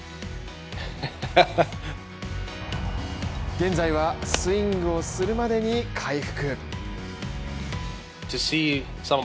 現在はスイングをするまでに回復。